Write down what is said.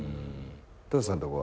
トヨさんとこは？